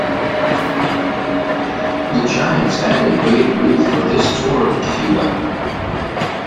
The Giants added Babe Ruth for this tour of Cuba.